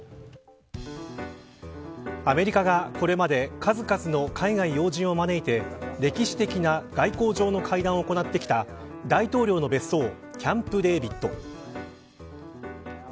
アメリカがこれまで数々の海外要人を招いて歴史的な外交上の会談を行ってきた大統領の別荘キャンプデービッド。